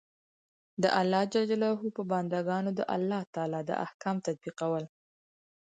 د الله ج په بندګانو د الله تعالی د احکام تطبیقول.